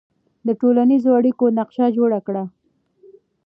د ټولنیزو اړیکو نقشه جوړه کړه.